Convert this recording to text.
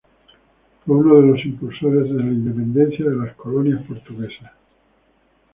Fue uno de los impulsores de la independencia de las colonias portuguesas.